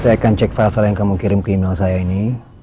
saya akan cek lima yang kamu kirim ke email saya ini